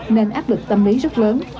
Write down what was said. nên áp lực tâm lý rất lớn